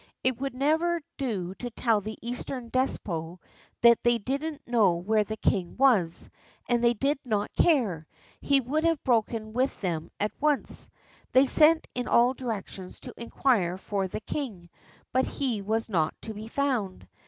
It would never do to tell the Eastern despot they didn't know where their king was, and they did not care; he would have broken with them at once. They sent in all directions to inquire for the king, but he was not to be found.